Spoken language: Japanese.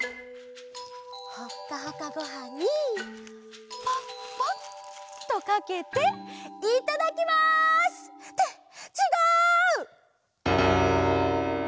ほっかほかごはんにパッパッとかけていただきます！ってちがう！